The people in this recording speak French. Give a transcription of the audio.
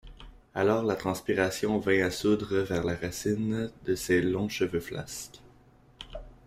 Alors la transpiration vint à sourdre vers la racine de ses longs cheveux flasques.